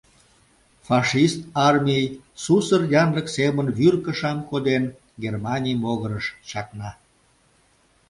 Фашист армий, сусыр янлык семын вӱр кышам коден, Германий могырыш чакна.